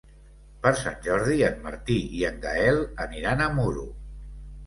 Per Sant Jordi en Martí i en Gaël aniran a Muro.